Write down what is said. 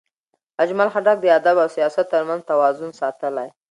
اجمل خټک د ادب او سیاست ترمنځ توازن ساتلی.